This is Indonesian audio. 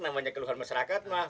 namanya keluhan masyarakat mah